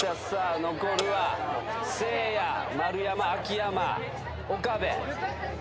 残るはせいや丸山秋山岡部。